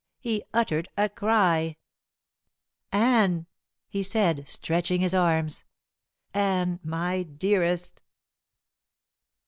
He uttered a cry. "Anne," he said, stretching his arms. "Anne, my dearest!"